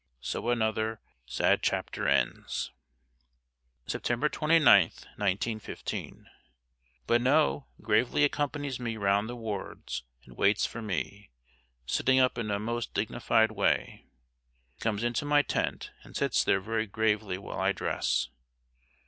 So another sad chapter ends. September 29th, 1915. Bonneau gravely accompanies me round the wards and waits for me, sitting up in a most dignified way. He comes into my tent and sits there very gravely while I dress.